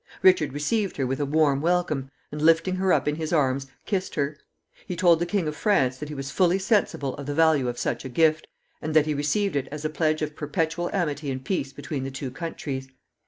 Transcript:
Richard received her with a warm welcome, and, lifting her up in his arms, kissed her. He told the King of France that he was fully sensible of the value of such a gift, and that he received it as a pledge of perpetual amity and peace between the two countries.